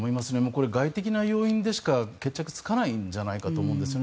これ、外的な要因でしか決着がつかないんじゃないかと思うんですね。